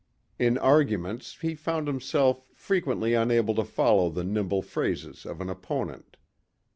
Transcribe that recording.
In arguments he found himself frequently unable to follow the nimble phrases of an opponent.